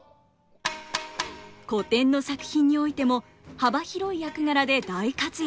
古典の作品においても幅広い役柄で大活躍。